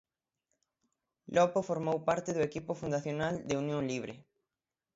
Lopo formou parte do equipo fundacional de "Unión Libre".